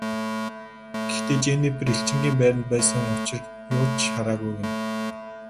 Гэхдээ Женнифер элчингийн байранд байсан учир юу ч хараагүй гэнэ.